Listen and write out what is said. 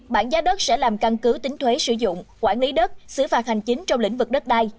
bảng giá đất sẽ làm căn cứ tính thuế sử dụng quản lý đất xử phạt hành chính trong lĩnh vực đất đai